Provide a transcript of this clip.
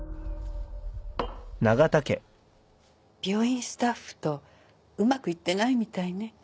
病院スタッフとうまくいってないみたいね。